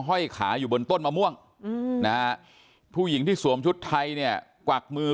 ห้อยขาอยู่บนต้นมะม่วงนะฮะผู้หญิงที่สวมชุดไทยเนี่ยกวักมือ